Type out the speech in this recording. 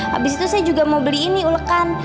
habis itu saya juga mau beli ini ulekan